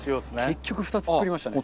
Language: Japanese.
結局２つ作りましたね。